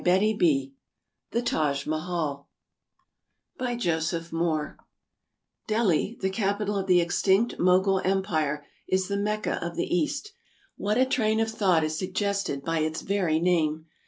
— 21 ASIA The Taj Mahal By JOSEPH MOORE DELHI, the capital of the extinct Mogul Empire, is the Mecca of the East. What a train of thought is sug gested by its very name